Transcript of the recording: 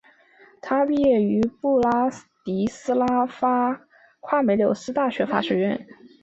他毕业于布拉迪斯拉发夸美纽斯大学法学院。